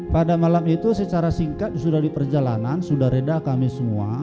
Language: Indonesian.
pada malam itu secara singkat sudah di perjalanan sudah reda kami semua